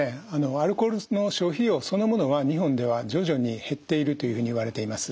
アルコールの消費量そのものは日本では徐々に減っているというふうにいわれています。